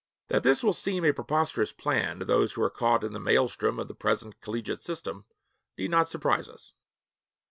That this will seem a preposterous plan to those who are caught in the maelstrom of the present collegiate system need not surprise us.